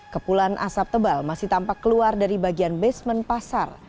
kepulan asap tebal masih tampak keluar dari bagian basement pasar